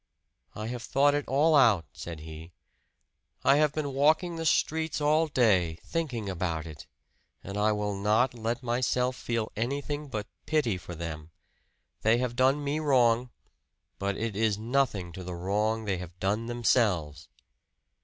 "I have thought it all out," said he. "I have been walking the streets all day, thinking about it. And I will not let myself feel anything but pity for them. They have done me wrong, but it is nothing to the wrong they have done themselves."